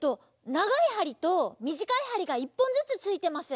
ながいはりとみじかいはりが１ぽんずつついてます。